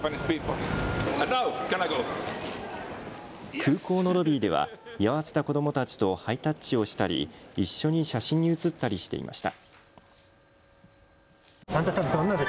空港のロビーでは居合わせた子どもたちとハイタッチをしたり一緒に写真に写ったりしていました。